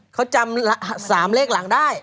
เขาจำ๓เลขหลังได้